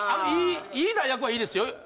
いい代役はいいですよ